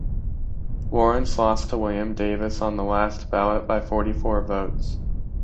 Lawrence lost to William Davis on the last ballot, by forty-four votes.